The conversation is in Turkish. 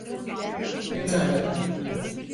İmzaladım.